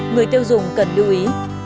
người tiêu dùng cần lưu ý